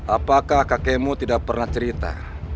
apakah kakekmu tidak pernah cerita